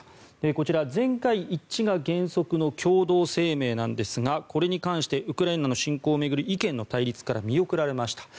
こちら、全会一致が原則の共同声明なんですがこれに関してウクライナの侵攻を巡る意見の対立から見送られました。